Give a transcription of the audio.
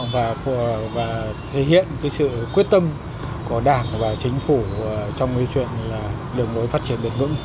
và thể hiện cái sự quyết tâm của đảng và chính phủ trong cái chuyện là đường đối phát triển vượt ngưỡng